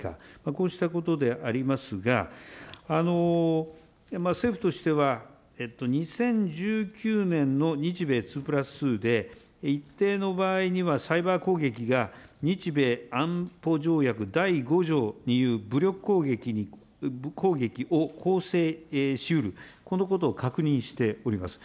こうしたことでありますが、政府としては、２０１９年の日米２プラス２で一定の場合にはサイバー攻撃が、日米安保条約第５条による武力攻撃を構成しうる、このことを確認しております。